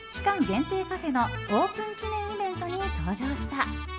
限定カフェのオープン記念イベントに登場した。